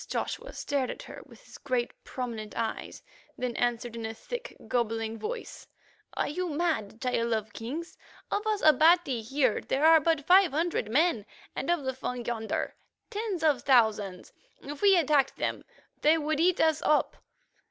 The prince Joshua stared at her with his great, prominent eyes, then answered in a thick, gobbling voice: "Are you mad, Child of Kings? Of us Abati here there are but five hundred men, and of the Fung yonder tens of thousands. If we attacked, they would eat us up.